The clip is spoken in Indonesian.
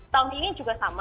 tahun ini juga sama